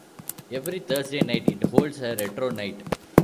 Every Thursday night, it holds a retro night.